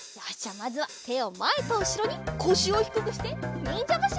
まずはてをまえとうしろにこしをひくくしてにんじゃばしりだ！